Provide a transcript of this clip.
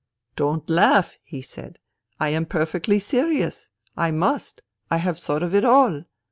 "' Don't laugh,' he said. ' I am perfectly serious. I must. I have thought of it all.